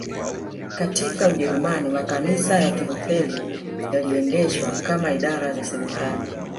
katika Ujerumani makanisa ya Kilutheri yaliendeshwa kama idara za serikali